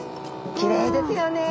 きれいですよね。